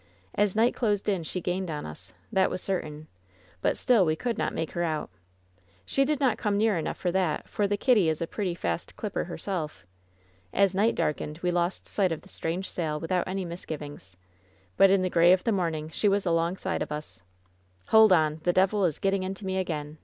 As night closed in she gained on us. That was certain. But still we could not make her out. She did not come near enough for that, for the Kitty is a pretty fast clipper her self. As night darkened we lost sight of the strange sail, without any misgivings. But in the gray of the morning she was alongside of us! Hold on! The devil is getting into me again!"